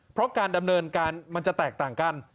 เพราะการดำเนินการมันจะแตกต่างกัน